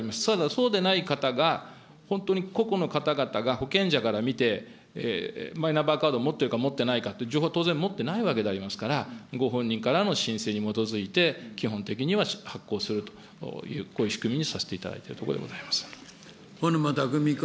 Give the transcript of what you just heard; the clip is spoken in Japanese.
そうでない方が、本当に個々の方々が保険者から見て、マイナンバーカードを持ってるか、持ってないか、情報持っていないわけですから、ご本人からの申請に基づいて、基本的には発行すると、こういう仕組みにさせていただいているとこ小沼巧君。